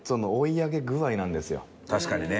確かにね。